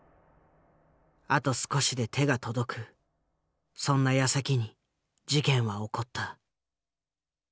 あと少しで手が届くそんなやさきに事件は起こった。